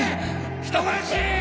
人殺し！